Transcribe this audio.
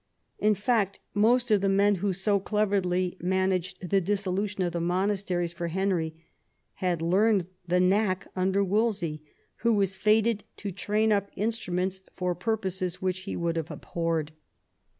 In fact most of the men who so cleverly managed the dissolution of the monasteries for Henry had learned the knack under Wolsey, who was fated to train up instruments for purposes which he would have abhorred.